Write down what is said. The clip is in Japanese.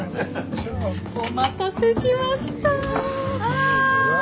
お待たせしました。